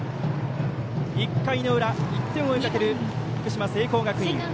１回の裏、１点を追いかける福島・聖光学院。